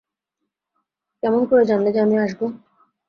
কেমন করে জানলে যে আমি আসব?